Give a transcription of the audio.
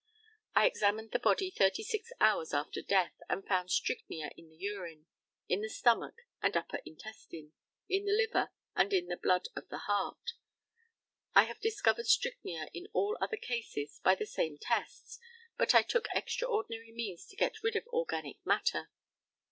I examined the body 36 hours after death, and found strychnia in the urine, in the stomach and upper intestine, in the liver, and in the blood of the heart. I have discovered strychnia in all other cases by the same tests, but I took extraordinary means to get rid of organic matter.